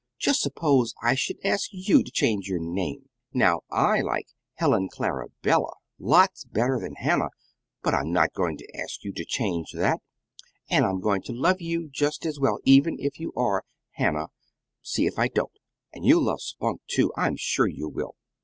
just suppose I should ask YOU to change your name! Now I like 'Helen Clarabella' lots better than 'Hannah,' but I'm not going to ask you to change that and I'm going to love you just as well, even if you are 'Hannah' see if I don't! And you'll love Spunk, too, I'm sure you will.